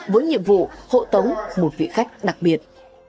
với nhiệm vụ hộ tống một vị khách đặc biệt